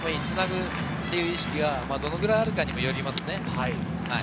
つなぐっていう意識がどのぐらいあるかにもよりますね。